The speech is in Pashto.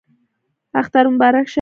اختر مو مبارک شه